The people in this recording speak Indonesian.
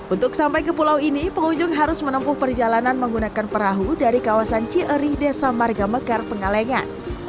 untuk sampai ke pulau ini pengunjung harus menempuh perjalanan menggunakan perahu dari kawasan cierih desa marga mekar pengalengan